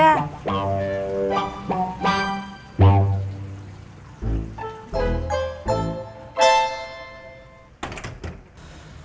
enggak nyangka ya si muhyidd